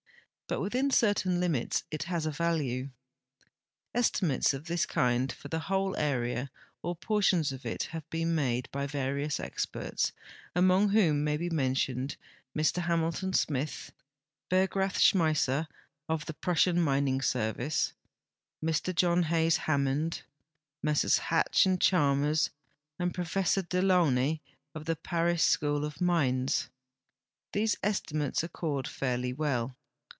but within certain limits it has a value. Estimates of this kind for the whole area or portions of it have been made by various experts, among whom may be mentioned Mr Hamil ton Smith, Bergrath Schmeisser, of the Prussian raining service, Mr John Hays Hammond, Messrs Hatch and Chalmers, and Professor De Launay, of the Paris School of Mines. These esti mates accord fiiirly well.